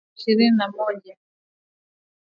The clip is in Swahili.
kufikia sasa waokoaji wamechukua miili ishirini na moja